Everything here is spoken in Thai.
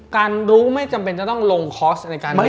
รู้ไม่จำเป็นจะต้องลงคอร์สในการเรียน